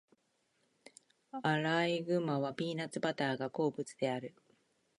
アライグマはピーナッツバターが好物である。